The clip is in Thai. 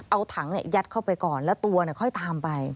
เอาถังเนี่ยยัดเข้าไปก่อนแล้วตัวเนี่ยค่อยตามไป